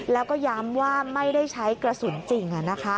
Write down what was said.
แล้วก็ย้ำว่าไม่ได้ใช้กระสุนจริง